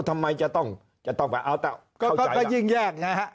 ทำไมจะต้องจะต้องไปเอาแต่เข้าใจก็ยิ่งแยกนะฮะ